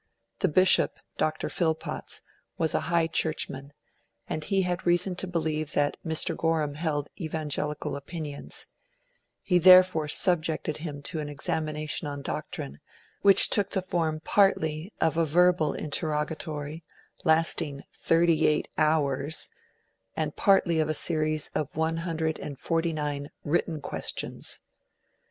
The Bishop, Dr. Phillpotts, was a High Churchman, and he had reason to believe that Mr. Gorham held evangelical opinions; he therefore subjected him to an examination on doctrine, which took the form partly of a verbal interrogatory, lasting thirty eight hours, and partly of a series of one hundred and forty nine written questions.